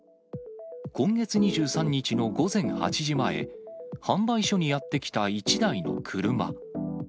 今月２３日の午前８時前、販売所にやって来た１台の車。